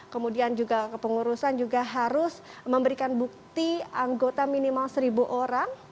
kemudian juga kepengurusan juga harus memberikan bukti anggota minimal seribu orang